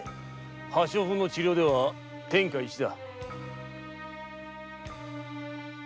破傷風の治療では天下一だ。